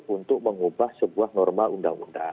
untuk mengubah sebuah norma undang undang